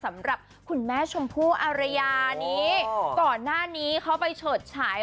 สำหรับคุณแม่ชมพู่อารยานี้ก่อนหน้านี้เขาไปเฉิดฉาย